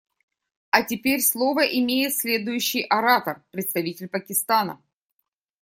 А теперь слово имеет следующий оратор − представитель Пакистана.